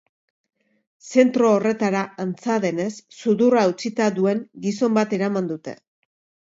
Zentro horretara antza denez sudurra hautsita duen gizon bat eraman dute.